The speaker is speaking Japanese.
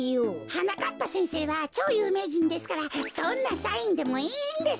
はなかっぱせんせいはちょうゆうめいじんですからどんなサインでもいいんです。